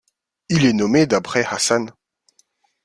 Il est nommé d'après Hassan.